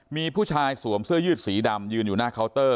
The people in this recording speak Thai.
มีผู้ชายสวมเสื้อยืดสีดำยืนอยู่หน้าเคาน์เตอร์